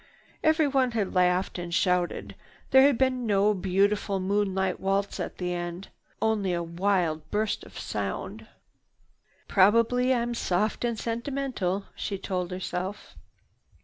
Everyone had laughed and shouted. There had been no beautiful moonlight waltz at the end, only a wild burst of sound. "Probably I'm soft and sentimental," she told herself.